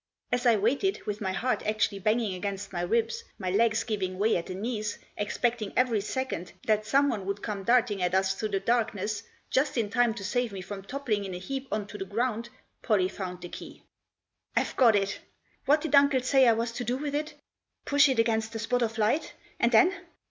As I waited, with my heart actually banging against my ribs, my legs giving way at the knees, expecting every second that someone would come darting at us through the darkness, just in time to save me from toppling in a heap on to the ground Pollie found the key. " I've got it ! What did uncle say I was to do with it ? Push it against the spot of light — and then